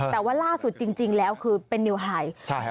แต่ว่าล่าสุดจริงแล้วคือเป็นนิวไฮ